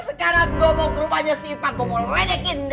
ah sekarang gue mau ke rumahnya si pak bungo lede kindah